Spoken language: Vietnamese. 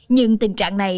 nhưng tình trạng này